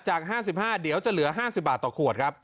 จาก๕๕เดี๋ยวจะเหลือ๕๐บาทต่อขวดครับ